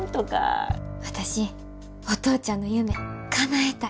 私お父ちゃんの夢かなえたい。